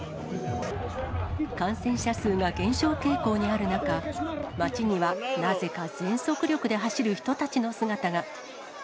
感染者数が減少傾向にある中、街にはなぜか全速力で走る人たちの姿が。